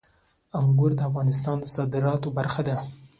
انګور د افغانستان د صادراتو برخه ده.